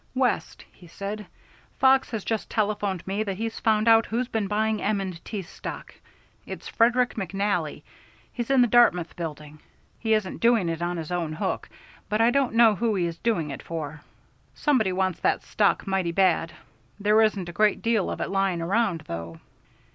"West," he said, "Fox has just telephoned me that he's found out who's been buying M. & T. stock. It's Frederick McNally; he's in the Dartmouth Building. He isn't doing it on his own hook, but I don't know who he is doing it for. Somebody wants that stock mighty bad. There isn't a great deal of it lying around, though."